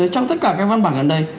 trong tất cả các văn bản gần đây